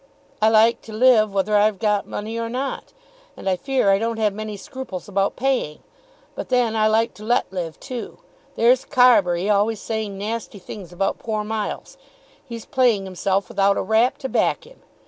I like to live whether I've got money or not. And I fear I don't have many scruples about paying. But then I like to let live too. There's Carbury always saying nasty things about poor Miles. He's playing himself without a rap to back him.